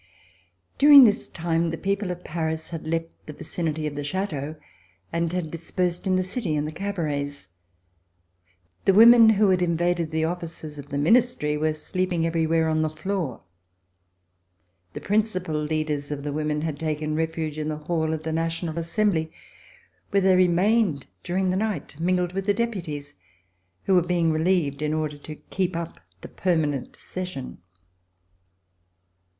During this time the people of Paris had left the vicinity of the Chateau and had dispersed in the city and the cabarets. The women, who had invaded the offices of the Ministry, were sleeping everywhere on the floor. The principal leaders of the women had taken refuge in the hall of the National Assembly where they remained during the night mingled with the Deputies, who were being relieved in order to keep up the permanent session.